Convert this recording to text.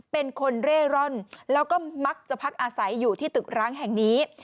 เป็นคนเร่ร่อนแล้วก็มักจะพักอาศัยอยู่ที่ตึกร้างแห่งนี้